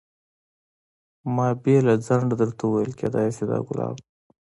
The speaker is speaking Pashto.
ما بې له ځنډه درته وویل کېدای شي دا ګلاب.